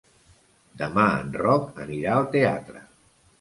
Demà en Roc anirà al teatre.